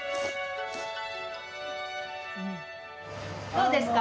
どうですか？